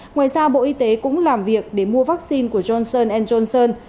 ngoài ra bộ y tế cũng làm việc để mua vaccine của johnson johnson